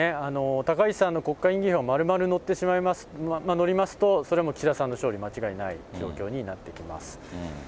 高市さんの国会議員票がまるまる乗りますと、それも岸田さんの勝利、間違いない状況になってきます。